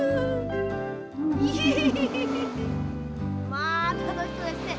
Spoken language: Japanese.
まあたのしそうですね。